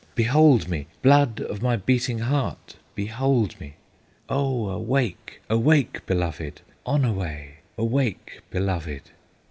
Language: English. behold me! Blood of my beating heart, behold me! Oh awake, awake, beloved! Onaway! awake, beloved!"